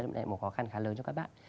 đấy là một khó khăn khá lớn cho các bạn